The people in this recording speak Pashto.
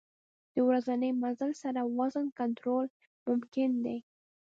د ورځني مزل سره وزن کنټرول ممکن دی.